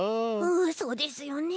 うんそうですよね。